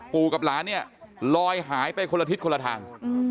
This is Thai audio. กับหลานเนี่ยลอยหายไปคนละทิศคนละทาง